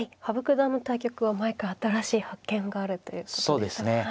羽生九段の対局は毎回新しい発見があるということでしたね。